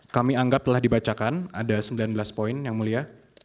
kami anggap telah dibacakan ada sembilan belas poin yang mulia